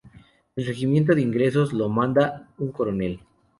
El Regimiento de Ingenieros lo manda un Coronel.